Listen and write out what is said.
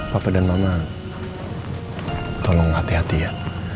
bapak dan mama tolong hati hati ya